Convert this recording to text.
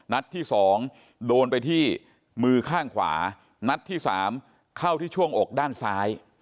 นัดที่๒โดนไปที่มือข้างขวานัดที่๓เข้าที่ช่วงอกด้านซ้าย